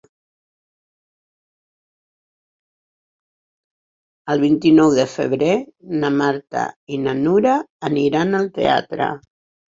El vint-i-nou de febrer na Marta i na Nura aniran al teatre.